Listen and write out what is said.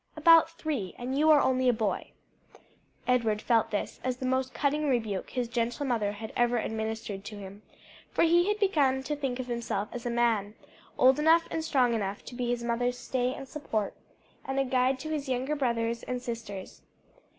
"About three; and you are only a boy." Edward felt this as the most cutting rebuke his gentle mother had ever administered to him, for he had begun to think of himself as a man, old enough and strong enough to be his mother's stay and support, and a guide to his younger brothers and sisters.